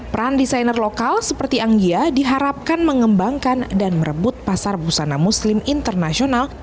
peran desainer lokal seperti anggia diharapkan mengembangkan dan merebut pasar busana muslim internasional